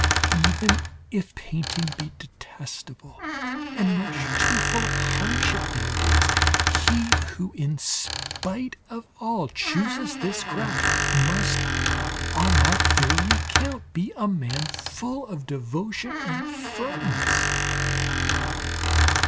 Even if painting be detestable and much too full of hardships nowadays, he who in spite of all chooses this craft must on that very account be a man full of devotion and firmness.